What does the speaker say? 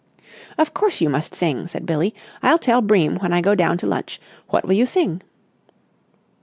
"Of course you must sing," said Billie. "I'll tell Bream when I go down to lunch. What will you sing?"